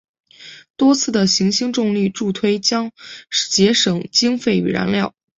多次的行星重力助推将节省经费与燃料。